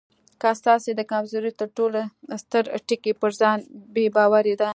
چې ستاسې د کمزورۍ تر ټولو ستر ټکی پر ځان بې باوري ده.